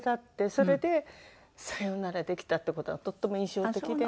それでさようならできたって事はとっても印象的で。